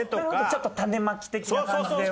ちょっと種まき的な感じで。